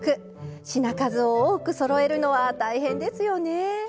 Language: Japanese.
品数を多くそろえるのは大変ですよね。